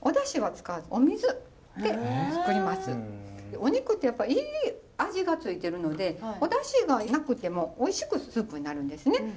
お肉ってやっぱいい味がついてるのでおだしがなくてもおいしくスープになるんですね。